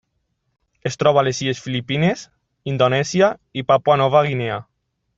Es troba a les illes Filipines, Indonèsia i Papua Nova Guinea.